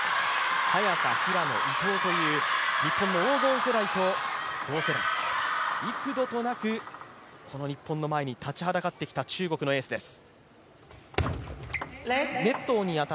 早田、平野、伊藤という日本の黄金世代と同世代、幾度となくこの日本の前に立ちはだかってきた日本のエースです。